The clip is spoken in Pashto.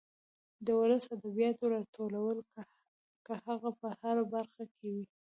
د ولسي ادبياتو راټولو که هغه په هره برخه کې وي.